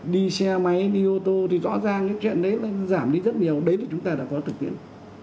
đi xe máy đi ô tô thì rõ ràng cái chuyện đấy nó giảm đi rất nhiều đấy thì chúng ta đã có thực tiễn